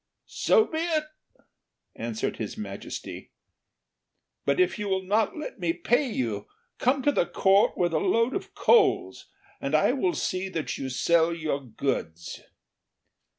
"So be it," answered His Majesty. "But if you will not let me pay you, come to the Court with a load of coals and I will see that you sell your goods."